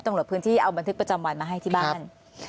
ตำรวจพื้นที่เอาบันทึกประจำวันมาให้ที่บ้าน